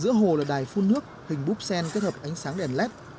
giữa hồ là đài phun nước hình búp sen kết hợp ánh sáng đèn led